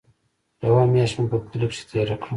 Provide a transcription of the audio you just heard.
يوه مياشت مې په کلي کښې تېره کړه.